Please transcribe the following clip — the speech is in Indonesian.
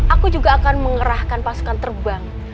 aku juga akan mengerahkan pasukan terbang